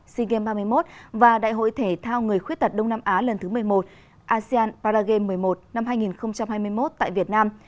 sea games ba mươi một và đại hội thể thao người khuyết tật đông nam á lần thứ một mươi một asean paragame một mươi một năm hai nghìn hai mươi một tại việt nam